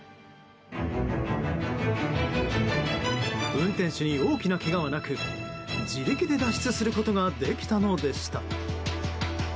運転手に大きなけがはなく自力で脱出することができたのでした。